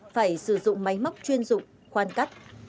phải sử dụng máy móc chuyên dụng khoan cắt